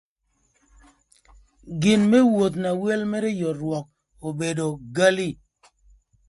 Gin më woth na wel mërë yot rwök obedo gali.